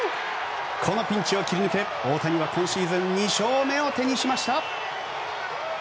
このピンチを切り抜け、大谷は今シーズン２勝目を手にしました。